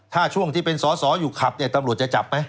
ถ้าช่วงที่เป็นสอสออยู่ขับเนี่ยตำรวจจะจับไหม